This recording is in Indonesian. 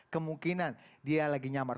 kemungkinan dia lagi nyamar